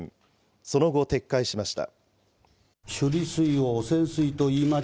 その後、撤回しました。